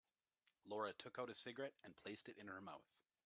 Laura took out a cigarette and placed it in her mouth.